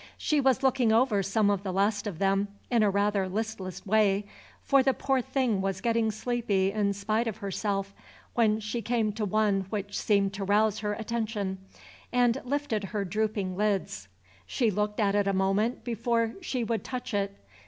She was looking over some of the last of them in a rather listless way, for the poor thing was getting sleepy in spite of herself, when she came to one which seemed to rouse her attention, and lifted her drooping lids. She looked at it a moment before she would touch it.